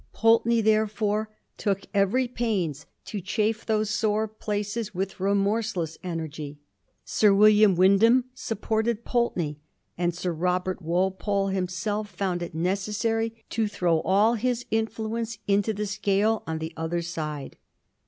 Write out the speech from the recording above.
Pulteney there fore took every pains to chafe those sore places with remorseless energy. Sir William Wyndham sup ported Pulteney, and Sir Robert Walpole himself found it necessary to throw all his influence into the scale on the other side.